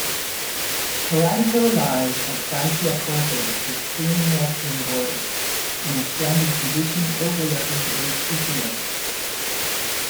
Paratico lies at Franciacorta's extreme western border, in a splendid position overlooking Lake Iseo.